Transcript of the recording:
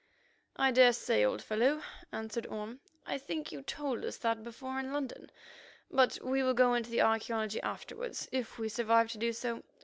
"I daresay, old fellow," answered Orme; "I think you told us that before in London; but we will go into the archæology afterwards if we survive to do so.